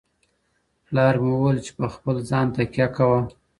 پلار مي وویل چي په خپل ځان تکیه کوه.